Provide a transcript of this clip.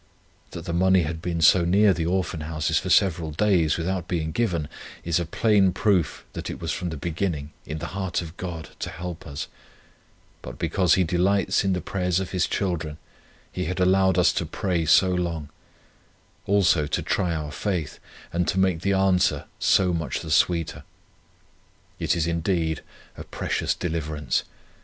That the money had been so near the Orphan Houses for several days without being given, is a plain proof that it was from the beginning in the heart of God to help us; but because He delights in the prayers of His children, He had allowed us to pray so long; also to try our faith, and to make the answer so much the sweeter. It is indeed a precious deliverance.